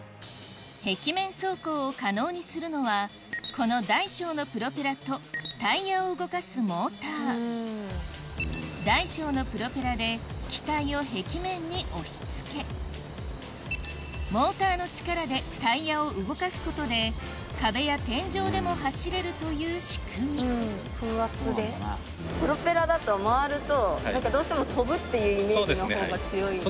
壁面走行を可能にするのはこの大小のプロペラとタイヤを動かすモーター大小のプロペラで機体を壁面に押しつけモーターの力でタイヤを動かすことで壁や天井でも走れるという仕組み回ると何かどうしても。のほうが強い。